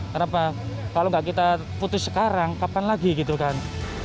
kenapa kalau nggak kita putus sekarang kapan lagi gitu kan